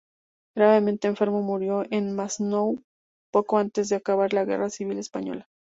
Gravemente enfermo, murió en Masnou poco antes de acabar la Guerra Civil Española.